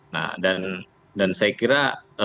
nah dan saya kira